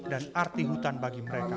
dan arti hutan bagi mereka